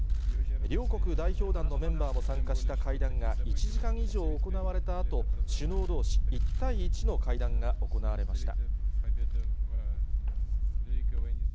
両国代表団のメンバーも参加した会談が１時間以上行われたあと、首脳どうし１対１の会談が行われました。